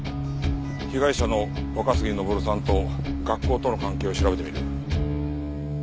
被害者の若杉登さんと学校との関係を調べてみる。